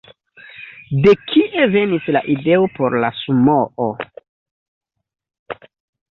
De kie venis la ideo por la sumoo?